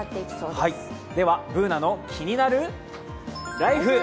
では、「ＢｏｏｎａのキニナルＬＩＦＥ」。